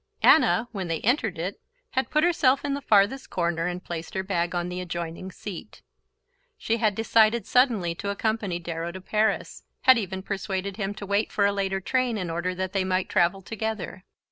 Anna, when they entered it, had put herself in the farthest corner and placed her bag on the adjoining seat. She had decided suddenly to accompany Darrow to Paris, had even persuaded him to wait for a later train in order that they might travel together.